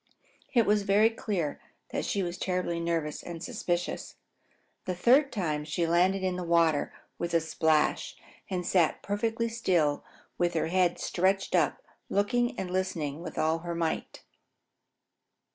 It was very clear that she was terribly nervous and suspicious. The third time she landed in the water with a splash and sat perfectly still with her head stretched up, looking and listening with all her might.